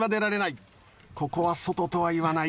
ここは外とは言わない。